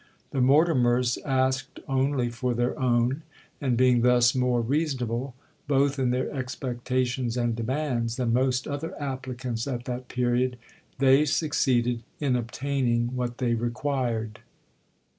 The Mortimers asked only for their own,—and being thus more reasonable, both in their expectations and demands, than most other applicants at that period, they succeeded in obtaining what they required.